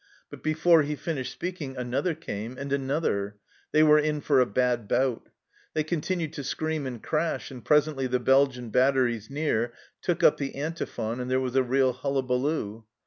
But before he finished speaking another came, and another, They were in for a bad bout. They continued to scream and crash, and presently the Belgian batteries near took up the antiphon and there was a real hullabaloo.